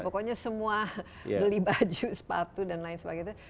pokoknya semua beli baju sepatu dan lain sebagainya